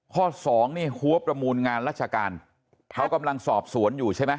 สองนี่หัวประมูลงานราชการเขากำลังสอบสวนอยู่ใช่ไหม